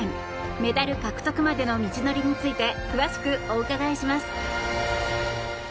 メダル獲得までの道のりについて詳しくお伺いします。